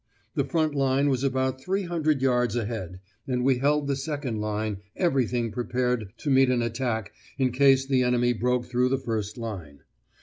The front line was about 300 yards ahead, and we held the second line, everything prepared to meet an attack in case the enemy broke through the first line.